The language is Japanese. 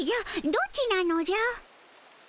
どっちなのじゃ？